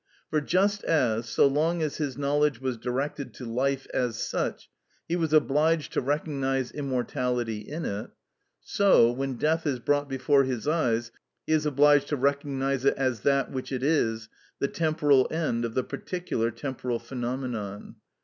For just as, so long as his knowledge was directed to life as such, he was obliged to recognise immortality in it, so when death is brought before his eyes, he is obliged to recognise it as that which it is, the temporal end of the particular temporal phenomenon.